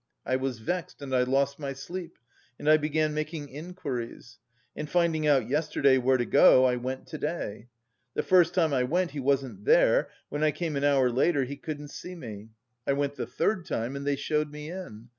I was vexed and I lost my sleep, and I began making inquiries. And finding out yesterday where to go, I went to day. The first time I went he wasn't there, when I came an hour later he couldn't see me. I went the third time, and they showed me in.